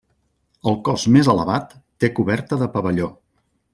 El cos més elevat té coberta de pavelló.